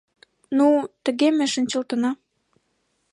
Ну, тыге ме шинчылтна.